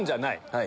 はい！